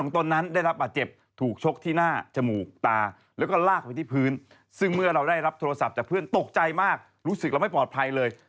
ลงมาสามรุมแล้วก็ขึ้นมอไซค์กลับไป